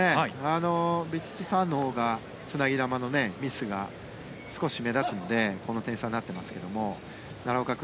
ヴィチットサーンのほうがつなぎ球のミスが少し目立つのでこの点差になっていますけど奈良岡君